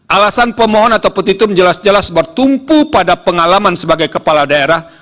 alasan pemohon atau petitum jelas jelas bertumpu pada pengalaman sebagai kepala daerah